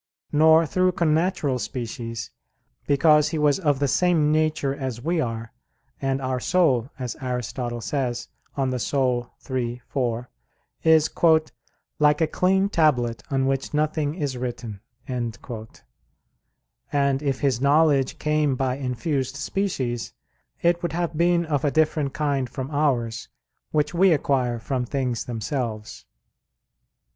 Nor through connatural species, because he was of the same nature as we are; and our soul, as Aristotle says (De Anima iii, 4), is "like a clean tablet on which nothing is written." And if his knowledge came by infused species, it would have been of a different kind from ours, which we acquire from things themselves.